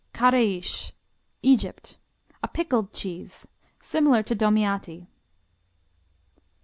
Kareish Egypt A pickled cheese, similar to Domiati.